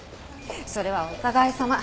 それはお互いさま。